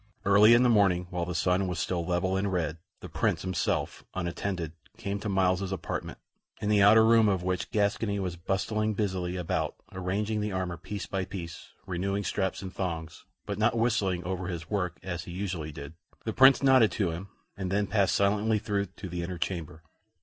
Early in the morning, while the sun was still level and red, the Prince himself, unattended, came to Myles's apartment, in the outer room of which Gascoyne was bustling busily about arranging the armor piece by piece; renewing straps and thongs, but not whistling over his work as he usually did. The Prince nodded to him, and then passed silently through to the inner chamber.